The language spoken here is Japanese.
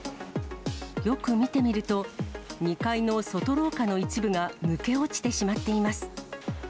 よく見てみると、２階の外廊下の一部が抜け落ちてしまっています。